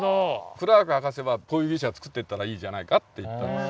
クラーク博士はこういう牛舎を作っていったらいいじゃないかって言ったんです。